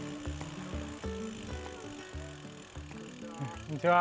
こんにちは。